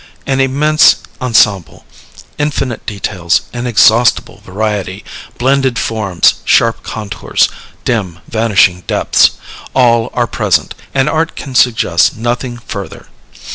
An immense ensemble, infinite details, inexhaustible variety, blended forms, sharp contours, dim, vanishing depths, all are present, and art can suggest nothing further.